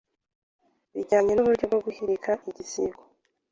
bijyanye nuburyo bwo guhirika igisigo